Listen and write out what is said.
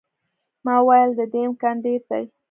ما وویل، د دې امکان ډېر دی.